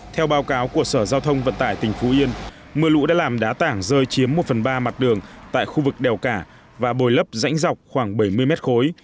theo báo cáo của sở giao thông vận tải tỉnh phú yên mưa lũ đã làm đá tảng rơi chiếm một phần ba mặt đường tại khu vực đèo cả và bồi lấp rãnh dọc khoảng bảy mươi mét khối